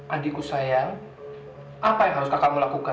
adikku sayang apa yang harus kakakmu lakukan